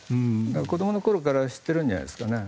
子供のころから知ってるんじゃないですかね。